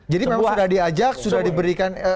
jadi memang sudah diajak sudah diberikan